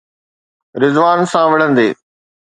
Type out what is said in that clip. رضوان سان وڙهندي؟